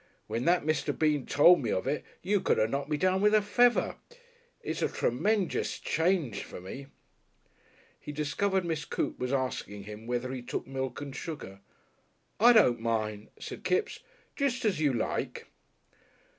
When that Mr. Bean told me of it you could 'ave knocked me down with a feather.... It's a tremenjous change for me." He discovered Miss Coote was asking him whether he took milk and sugar. "I don't mind," said Kipps. "Just as you like."